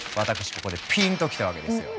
ここでピンときたわけですよ。